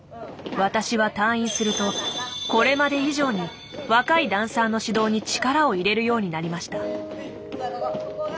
私は退院するとこれまで以上に若いダンサーの指導に力を入れるようになりました。